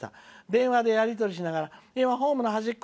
電話でやり取りをしながら。